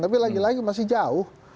tapi lagi lagi masih jauh